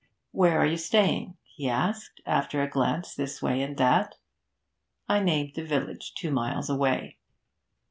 'Where are you staying?' he asked, after a glance this way and that. I named the village, two miles away.